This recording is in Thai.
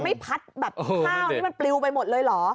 ไม่พัดแบบข้าวนี่มันปลิวไปหมดเลยเหรอ